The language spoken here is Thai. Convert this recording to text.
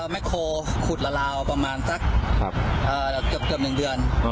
แม็กโครขุดลาลาวประมาณสักเกือบเกือบหนึ่งเดือน